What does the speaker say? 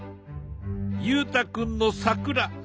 裕太君の桜。